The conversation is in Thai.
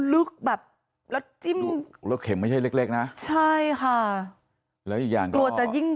ลึกแบบลึกเข็มไม่ใช่เล็กนะใช่ค่ะแล้วอีกอย่างก็จะยิ่ง